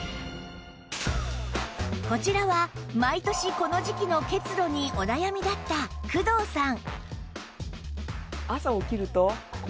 こちらは毎年この時期の結露にお悩みだった工藤さん